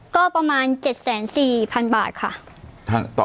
ก็ประมาณ๗๔๐๐๐บาทค่ะ